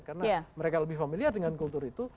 karena mereka lebih familiar dengan culture itu